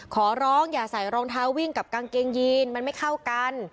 ขอร้องอย่าใส่รองเท้าวิ่งกับกางเกงยีนมันไม่เข้ากัน